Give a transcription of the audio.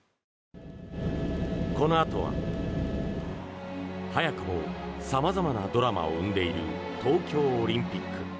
このあとは。早くも様々なドラマを生んでいる東京オリンピック。